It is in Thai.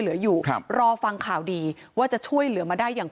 เหลืออยู่ครับรอฟังข่าวดีว่าจะช่วยเหลือมาได้อย่าง